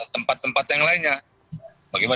tempat tempat yang lainnya bagaimana